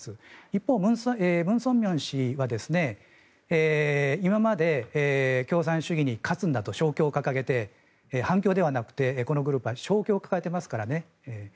一方、ムン・ソンミョン氏は今まで共産主義に勝つんだと勝共を掲げて反共ではなくてこのグループは勝共を掲げていますからね。